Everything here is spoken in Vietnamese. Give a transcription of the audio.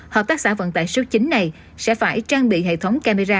hợp tác xã vận tải số chín này sẽ phải trang bị hệ thống camera